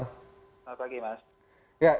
selamat pagi mas